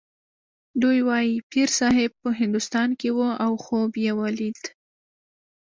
دوی وايي پیرصاحب په هندوستان کې و او خوب یې ولید.